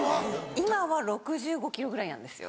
今は６５ｋｇぐらいなんですよ。